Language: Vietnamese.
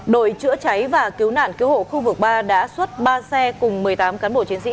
đội chữa cháy và cứu nạn cứu hộ khu vực ba đã xuất ba xe cùng một mươi tám cán bộ chiến sĩ